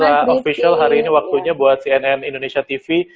teman teman dari nusa official hari ini waktunya buat cnn indonesia tv